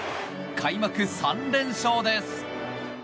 開幕３連勝です。